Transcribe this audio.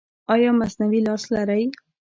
ایا مصنوعي لاس لرئ؟